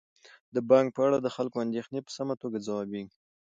د بانک په اړه د خلکو اندیښنې په سمه توګه ځوابیږي.